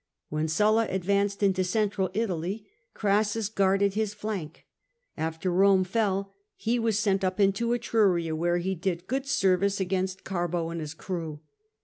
When Sulla advanced into Central Italy, Crassus guarded his flank; after Rome fall, he was sent up into Etruria, where he did good service against Garbo and his crew.